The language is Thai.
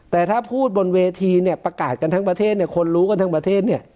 แต่ถ้าพูดบนเวทีเนี่ยประกาศกันทั้งประเทศเนี่ยคนรู้กันทั้งประเทศเนี่ย